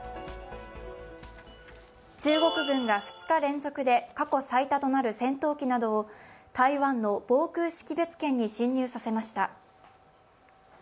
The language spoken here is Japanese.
中国軍が２日連続で過去最多となる戦闘機などを台湾の防空識別圏に進入させました。